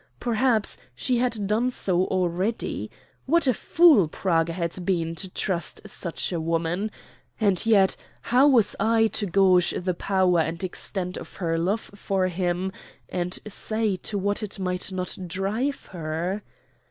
Perhaps she had done so already. What a fool Praga had been to trust such a woman! And yet how was I to gauge the power and extent of her love for him, and say to what it might not drive her?